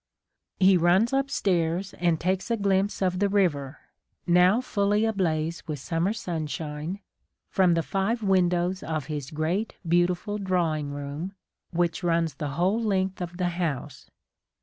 He runs upstairs and takes a glimpse of the river, — now fully ablaze with summer sunshine, — ^from the five windows of his great, beautiful drawing room, which runs the whole length of the house.